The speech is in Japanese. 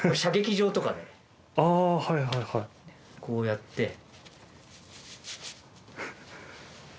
こうやって。